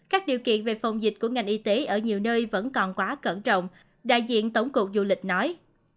các điều kiện về phòng dịch của ngành y tế ở nhiều nơi vẫn còn quá cẩn trọng đại diện tổng cục du lịch nói